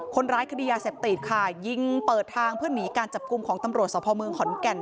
คนร้ายคดียาเสพติดค่ะยิงเปิดทางเพื่อหนีการจับกลุ่มของตำรวจสภเมืองขอนแก่น